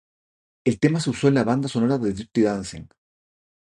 El tema se usó en la banda sonora de Dirty dancing.